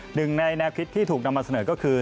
หนึ่งในแนวคิดที่ถูกนำมาเสนอก็คือ